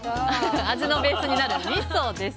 味のベースになるみそです。